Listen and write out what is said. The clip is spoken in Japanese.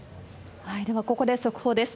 ではここで速報です。